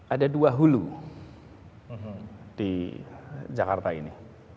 ada dua hulu di jakarta ini